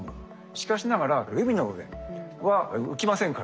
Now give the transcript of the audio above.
しかしながら海の上は浮きませんからね。